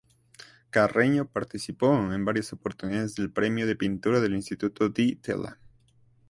Carreño participó en varias oportunidades del premio de pintura del Instituto Di Tella.